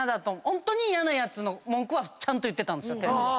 ホントに嫌なやつの文句はちゃんと言ってたんですよ。